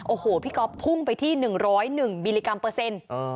โอ้โหพี่ก๊อฟพุ่งไปที่๑๐๑มิลลิกรัมเปอร์เซ็นต์